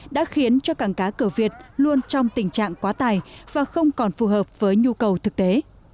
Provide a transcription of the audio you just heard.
đã khiến cho cảng cá cửa việt luôn trong tình trạng quá tài và không còn phù hợp với nhu cầu thực tế